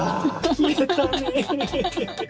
消えたね！